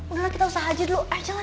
udah lah kita usah aja dulu ayo jalan